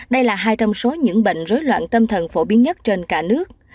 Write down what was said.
đây là hai trăm linh số những bệnh rối loạn tâm thần phổ biến nhất trên cả nước